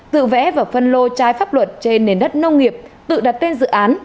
tự vẽ và phân lô trái pháp luật trên nền đất nông nghiệp tự đặt tên dự án